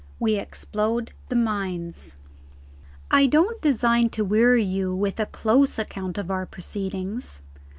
WE EXPLODE THE MINES. I don't design to weary you with a close account of our proceedings.